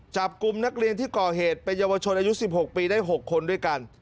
จับกลุ่มนักเรียนที่ก่อเหตุเป็นเยาวชนอายุ๑๖ปีได้๖คนด้วยกัน